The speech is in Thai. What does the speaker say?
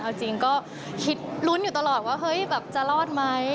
เอาจริงก็คิดลุ้นอยู่ตลอดว่าเฮ้ยแบบจะรอดไหม